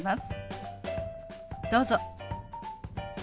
どうぞ。